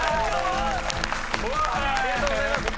ありがとうございます。